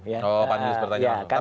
oh panelis bertanya langsung